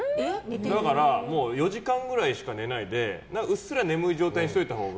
だから４時間くらいしか寝ないでうっすら眠い状態にしといたほうが。